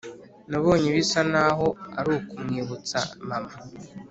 nabonye bisa naho arukumwibutsa mama